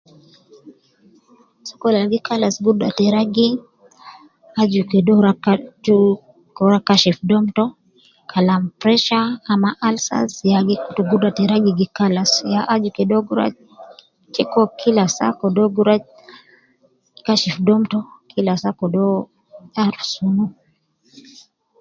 Sokol Al gi karabu gi kalasu, aju kede o ruwa kashif dom tou Kalam pressure ma ulcers ya gu kutu gudra ta ragi gi kalas ya aju kede o ruwa kashif dom tou Kila saa kedeoo